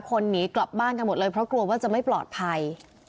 คนหนีกลับบ้านกันหมดเลยเพราะกลัวว่าจะไม่ปลอดภัย